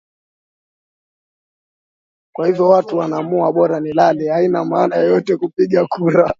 kwa hivyo mtu anaamua bora nilale haina maana yeyote kupiga kura